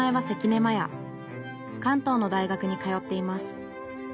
関東の大学に通っています。